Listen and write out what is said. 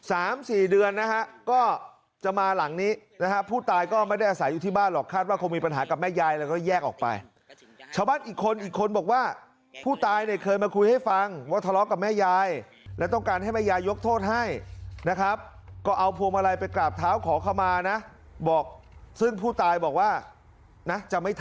สามสี่เดือนนะฮะก็จะมาหลังนี้นะฮะผู้ตายก็ไม่ได้อาศัยอยู่ที่บ้านหรอกคาดว่าคงมีปัญหากับแม่ยายแล้วก็แยกออกไปชาวบ้านอีกคนอีกคนบอกว่าผู้ตายเนี่ยเคยมาคุยให้ฟังว่าทะเลาะกับแม่ยายและต้องการให้แม่ยายยกโทษให้นะครับก็เอาพวงมาลัยไปกราบเท้าขอเข้ามานะบอกซึ่งผู้ตายบอกว่านะจะไม่ท